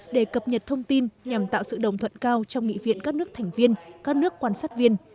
để cập nhật thông tin nhằm tạo sự đồng thuận cao trong nghị viện các nước thành viên các nước quan sát viên